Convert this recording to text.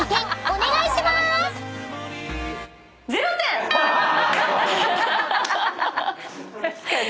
お願いしまーす！］